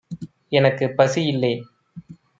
எனக்கு பசி இல்லெ